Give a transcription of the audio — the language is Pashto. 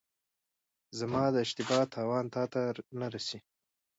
زما د اشتبا تاوان تاته نه رسي.